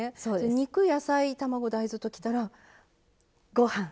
肉野菜卵・大豆ときたらご飯！ですよね？